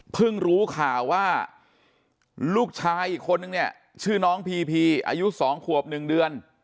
เพิ่งรู้ค่ะว่าลูกชายอีกคนนึงเนี่ยชื่อน้องพีพีอายุสองขวบหนึ่งเดือน